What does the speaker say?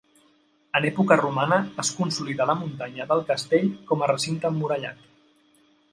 En època romana es consolida la muntanya del castell com a recinte emmurallat.